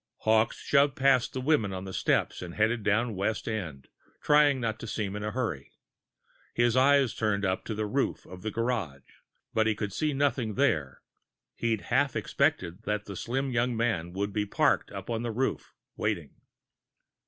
Hawkes shoved past the women on the steps and headed down West End, trying not to seem in a hurry. His eyes turned up to the roof of the garage, but he could see nothing there; he'd half expected that the slim young man would be parked up on the roof, waiting.